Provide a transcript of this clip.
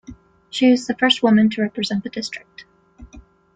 She is the first woman to represent the district.